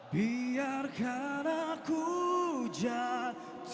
biar kanak kujat